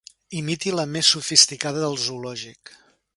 Imiti la més sofisticada del zoològic.